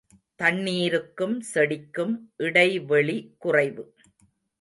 தண்ணீருக்கும் செடிக்கும் இடைவெளி குறைவு.